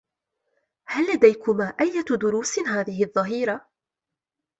هل لديكما أيّة دروس هذه الظّهيرة؟